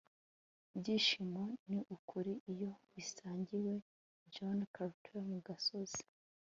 ibyishimo ni ukuri iyo bisangiwe - jon krakauer, mu gasozi